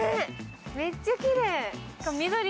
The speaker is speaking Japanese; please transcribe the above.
めっちゃきれい。